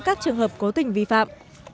các trường hợp cố tình vi phạm